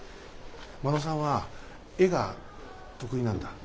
真野さんは絵が得意なんだ。